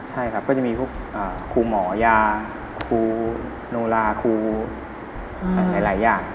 ใช่ครับก็จะมีพวกครูหมอยาครูโนลาครูหลายอย่าง